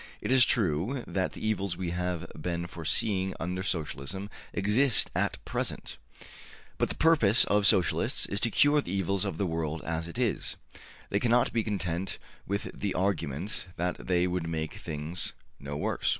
It is true that the evils we have been foreseeing under Socialism exist at present, but the purpose of Socialists is to cure the evils of the world as it is; they cannot be content with the argument that they would make things no worse.